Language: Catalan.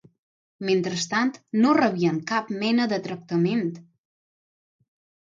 Mentrestant no rebien cap mena de tractament